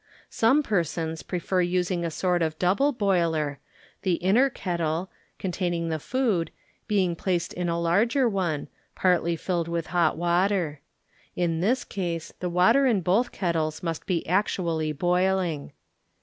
Some persons prefer using a sort of double boiler, the inner kettle, containing the food, being placed in a larger one, partly filled with hot water. In this case the water in both kettles most be actually boiling.